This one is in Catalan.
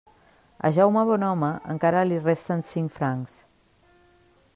A Jaume Bonhome encara li resten cinc francs.